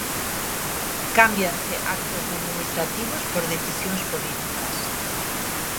Cámbianse actos administrativos por decisións políticas.